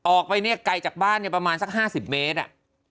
ออกไปเนี่ยไกลจากบ้านเนี่ยประมาณสัก๕๐เมตร